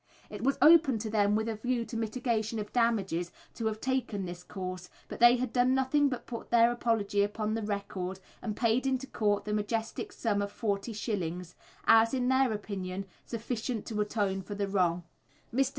It was open to them with a view to mitigation of damages, to have taken this course, but they had done nothing but put their apology upon the record, and paid into court the majestic sum of 40s. as, in their opinion, sufficient to atone for the wrong. Mr.